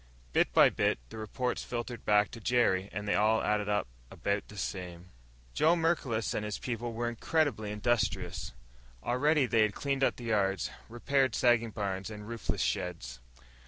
Bit by bit the reports filtered back to Jerry, and they all added up about the same. Joe Merklos and his people were incredibly industrious. Already they had cleaned up the yards, repaired sagging barns and roofless sheds.